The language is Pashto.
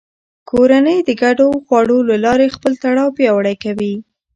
کورنۍ د ګډو خواړو له لارې خپل تړاو پیاوړی کوي